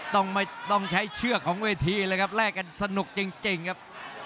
ต้องไม่ต้องใช้เชือกของเวทีเลยครับแลกกันสนุกจริงครับ